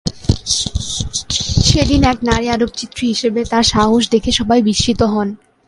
সেদিন একজন নারী আলোকচিত্রী হিসেবে তাঁর সাহস দেখে সবাই বিস্মিত হন।